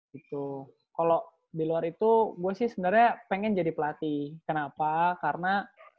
gitu kalo di luar itu gua sih sebenernya pengen jadi pelatih kenapa karena